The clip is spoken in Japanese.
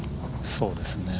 そうですね。